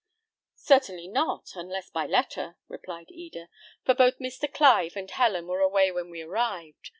"Certainly not, unless by letter," replied Eda; "for both Mr. Clive and Helen were away when we arrived.